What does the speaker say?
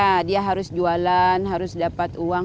ketika musim kemarau seperti ini